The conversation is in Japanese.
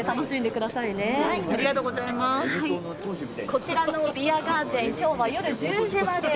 こちらのビアガーデン、今日は夜１０時まで